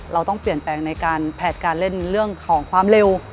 เราต้องเปลี่ยนแปลงในการแพลตการเล่นเรื่องของความเร็ว